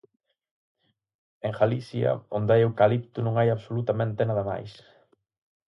En Galicia, onde hai eucalipto non hai absolutamente nada máis.